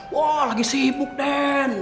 wah lagi sibuk den